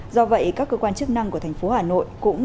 do vậy các cơ quan chức năng của thành phố hà nội cũng